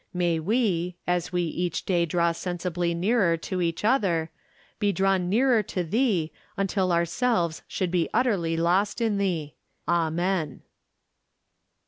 May we, as we each day draw sensibly nearer to each other, be drawn nearer to thee, until ourselves shall be utterly lost in thee. Amen.